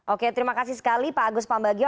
oke terima kasih sekali pak agus pambagio